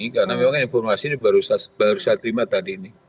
karena memang informasi ini baru saya terima tadi